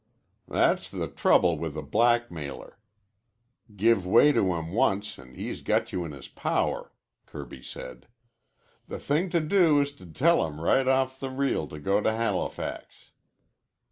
"That's the trouble with a blackmailer. Give way to him once an' he's got you in his power," Kirby said. "The thing to do is to tell him right off the reel to go to Halifax."